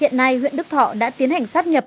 hiện nay huyện đức thọ đã tiến hành sắp nhập